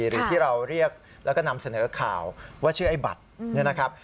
หรือที่เราเรียกแล้วก็นำเสนอข่าวว่าชื่อไอ้บัตรเนี่ยนะครับ